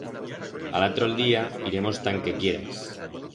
A l'atro'l día iremos ta an que quieras.